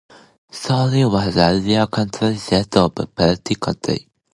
Troy was an early county seat of Perry County.